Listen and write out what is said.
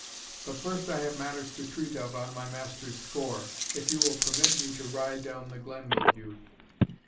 But first I have matters to treat of on my master's score, if you will permit me to ride down the glen with you."